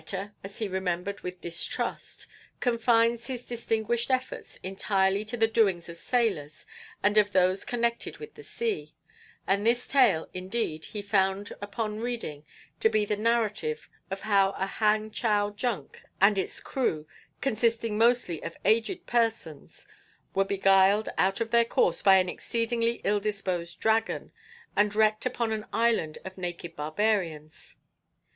This writer, as he remembered with distrust, confines his distinguished efforts entirely to the doings of sailors and of those connected with the sea, and this tale, indeed, he found upon reading to be the narrative of how a Hang Chow junk and its crew, consisting mostly of aged persons, were beguiled out of their course by an exceedingly ill disposed dragon, and wrecked upon an island of naked barbarians.